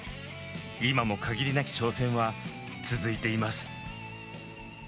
今も限りなき挑戦は続いています。